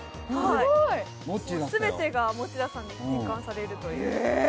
全てが持田さんに変換されるという。